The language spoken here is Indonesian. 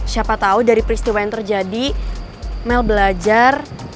siapa tahu dari peristiwa yang terjadi mel belajar